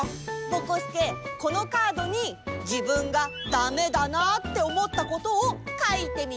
ぼこすけこのカードにじぶんがだめだなっておもったことをかいてみて。